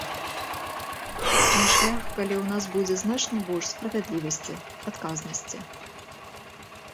На шлях, калі ў нас будзе значна больш справядлівасці, адказнасці.